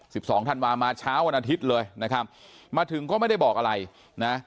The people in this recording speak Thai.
สิบสองธันวามาเช้าวันอาทิตย์เลยนะครับมาถึงก็ไม่ได้บอกอะไรนะ